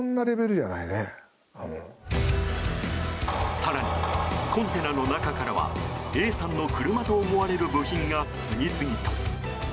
更にコンテナの中からはＡさんの車と思われる部品が次々と。